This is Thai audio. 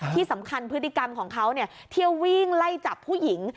ที่สำคัญพฤติกรรมของเขาเที่ยววิ่งไล่จับผู้หญิง